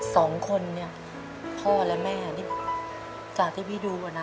สองคนเนี่ยพ่อและแม่นี่จากที่พี่ดูอ่ะนะ